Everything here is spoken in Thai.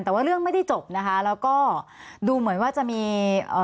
แต่ว่าเรื่องไม่ได้จบนะคะแล้วก็ดูเหมือนว่าจะมีเอ่อ